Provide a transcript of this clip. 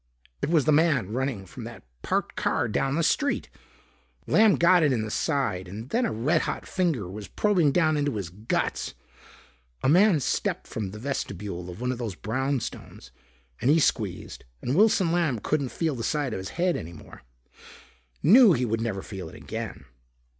It was the man running from that parked car down the street. Lamb got it in the side and then a red hot finger was probing down into his guts. A man stepped from the vestibule of one of those brownstones and he squeezed and Wilson Lamb couldn't feel the side of his head any more. Knew he would never feel it again.